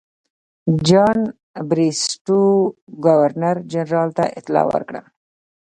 جان بریسټو ګورنر جنرال ته اطلاع ورکړه.